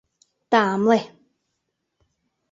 Тамле!..